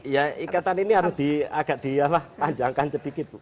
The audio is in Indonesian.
ya ikatan ini harus di panjangkan sedikit